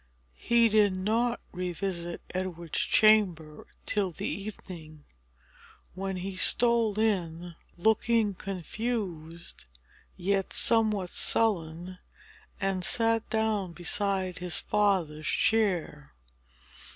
He did not revisit Edward's chamber till the evening, when he stole in, looking confused, yet somewhat sullen, and sat down beside his father's chair.